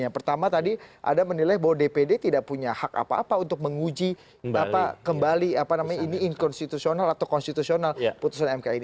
yang pertama tadi anda menilai bahwa dpd tidak punya hak apa apa untuk menguji kembali apa namanya ini inkonstitusional atau konstitusional putusan mk ini